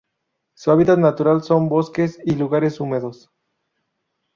Su hábitat natural son bosques y lugares húmedos.